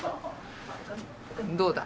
どうだ？